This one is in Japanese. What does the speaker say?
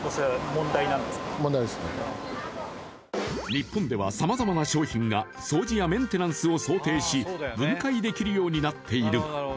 日本ではさまざまな商品が掃除やメンテナンスを想定し分解できるようになっている。